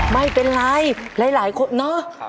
ไม่เป็นไรหลายคนเนอะ